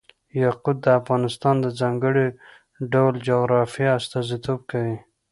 یاقوت د افغانستان د ځانګړي ډول جغرافیه استازیتوب کوي.